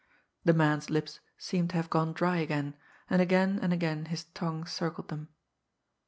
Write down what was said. The man's lips seemed to have gone dry again, and again and again his tongue circled them.